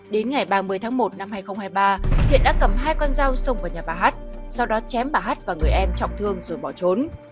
đến ngày ba mươi tháng một năm hai nghìn hai mươi ba thiện đã cầm hai con dao xông vào nhà bà hát sau đó chém bà hát và người em trọng thương rồi bỏ trốn